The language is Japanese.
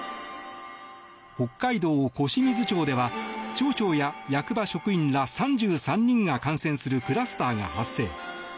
北海道小清水町では町長や役場職員ら３３人が感染するクラスターが発生。